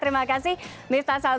terima kasih mifta sabri